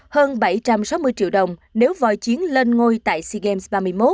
hơn bảy trăm sáu mươi triệu đồng nếu vòi chiến lên ngôi tại sea games